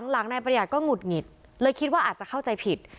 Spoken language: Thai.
หลังนายประหยัดก็หุดหงิดเลยคิดว่าอาจจะเข้าใจผิด